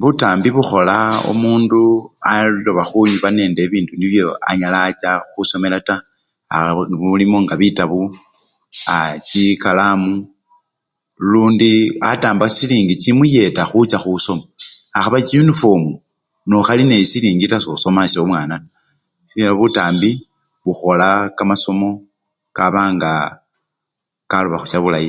Butambi bukhola omundu alobakhuba nende bibindu nibyo anyala acha khusomela taa, aa mulimo nga bitabu aa chikalamu lundi atamba silingi chimuyeta khucha khusoma akhaba chiyunifomu, nokhali nesilingi sosomesha omwana taa khubela butambi bukhola kamasomo kabaa nga kaloba khucha bulayi taa.